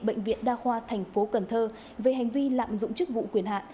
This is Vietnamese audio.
bệnh viện đa khoa tp cn về hành vi lạm dụng chức vụ quyền hạn